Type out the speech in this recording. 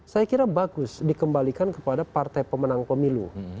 saya kira bagus dikembalikan kepada partai pemenang pemilu